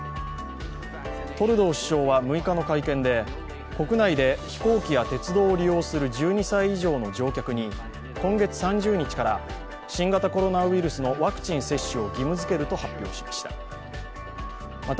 トルドー首相は６日の会見で国内で飛行機や鉄道を利用する１２歳以上の乗客に今月３０日から新型コロナウイルスのワクチン接種を義務づけると発表しました。